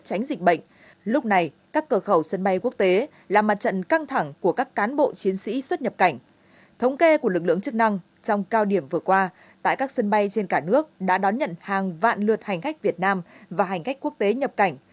tránh dịch bệnh lúc này các cờ khẩu sân bay quốc tế là mặt trận căng thẳng của các cán bộ chiến sĩ xuất nhập cảnh thống kê của lực lượng chức năng trong cao điểm vừa qua tại các sân bay trên cả nước đã đón nhận hàng vạn lượt hành khách việt nam và hành khách quốc tế nhập cảnh